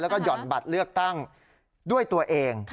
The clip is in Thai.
แล้วก็หย่อนบัตรเลือกตั้งด้วยตัวเอง